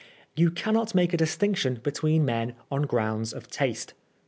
Tou cannot make a distinction between men on grounds of taste.